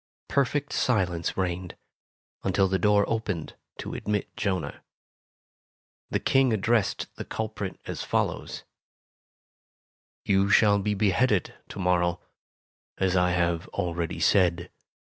Perfect silence reigned, until the door opened to admit Jonah. The King addressed the culprit as follows : "You shall be beheaded to morrow, as I have already said.